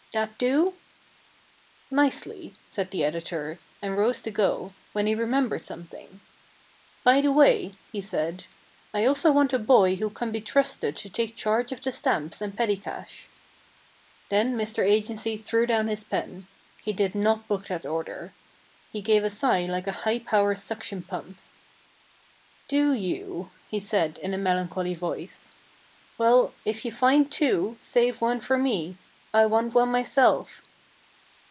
That do?" "Nicely," said the Editor, and rose to go, when he remembered something. "By the way," he said, "I also want a boy who can be trusted to take charge of the stamps and petty cash." Then Mr. Agency threw down his pen. He did not book that order. He gave a sigh like a high power suction pump. "Do you?" he said in a melancholy voice. "Well, if you find two, save one for me. I want one myself."